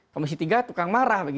komisi tiga tukang marah